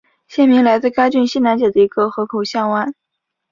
县名来自该郡西南角的一个河口港湾。